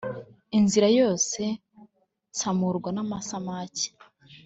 inzira yose nsamurwa n'amasamaki